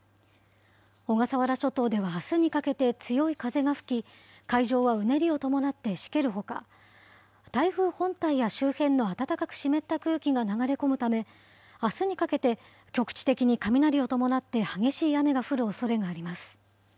小笠原諸島ではあすにかけて強い風が吹き、海上はうねりを伴ってしけるほか、台風本体や周辺の暖かく湿った空気が流れ込むため、あすにかけて、局地的に雷を伴って激しい雨が降るおそれがあります。